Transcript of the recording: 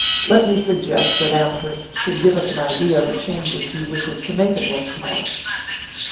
Let me suggest that Amherst should give us an idea of the changes he wishes to make at Westmore."